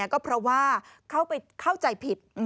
ก็เพราะว่าเขาไปเข้าใจผิด